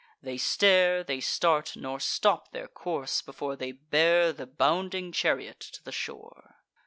They stare, they start, nor stop their course, before They bear the bounding chariot to the shore.